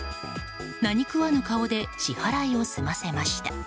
何食わぬ顔で支払いを済ませました。